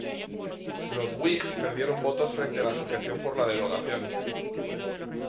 Los Whigs perdieron votos frente a la Asociación por la Derogación.